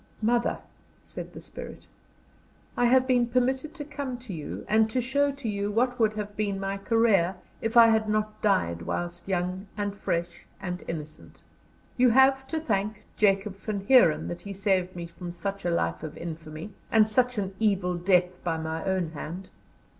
"Mother," said the spirit, "I have been permitted to come to you and to show to you what would have been my career if I had not died whilst young, and fresh, and innocent. You have to thank Jacob Van Heeren that he saved me from such a life of infamy, and such an evil death by my own hand.